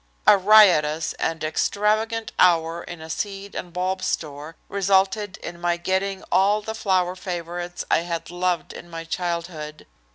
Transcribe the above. A riotous and extravagant hour in a seed and bulb store resulted in my getting all the flower favorites I had loved in my childhood.